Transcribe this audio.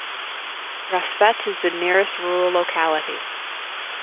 Rassvet is the nearest rural locality.